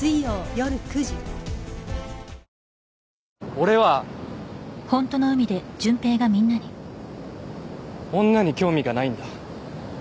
俺は女に興味がないんだ